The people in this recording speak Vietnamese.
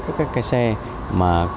các cái xe mà